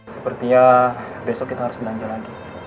sepertinya besok kita harus belanja lagi